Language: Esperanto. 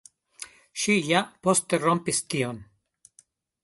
Ŝi ja poste rompis tion.